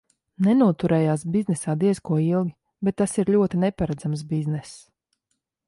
Nenoturējās biznesā diez ko ilgi, bet tas ir ļoti neparedzams bizness.